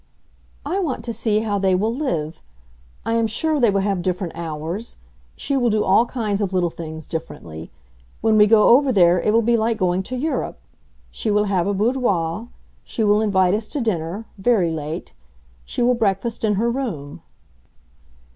"I want to see how they will live. I am sure they will have different hours. She will do all kinds of little things differently. When we go over there it will be like going to Europe. She will have a boudoir. She will invite us to dinner—very late. She will breakfast in her room."